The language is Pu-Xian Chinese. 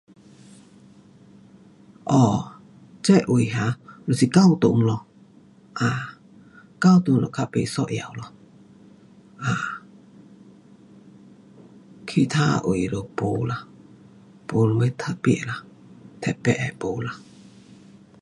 哦，这位 um 就是教堂咯，啊，教堂就较不一样咯，啊，其他位就没啦，没什么特别的，特别的，没啦